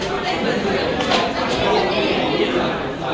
ที่เจนนี่ของกล้องนี้นะคะ